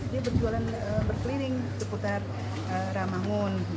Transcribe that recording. dia berjualan berkeliling seputar ramangun